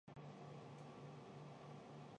清朝嘉庆年间重修。